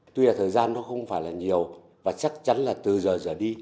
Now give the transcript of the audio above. tuy là thời gian nó không phải là nhiều và chắc chắn là từ giờ giờ đi